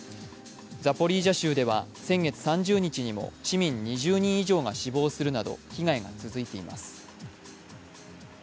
ザポリージャ州では先月３０日にも市民２０人以上が死亡するなど被害が続いています。